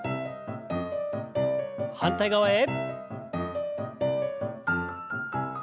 反対側へ。